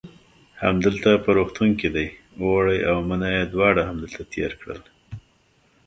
همدلته په روغتون کې دی، اوړی او منی یې دواړه همدلته تېر کړل.